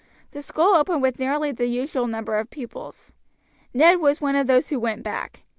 The school opened with nearly the usual number of pupils. Ned was one of those who went back.